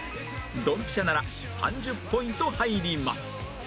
ドンピシャなら３０ポイント入ります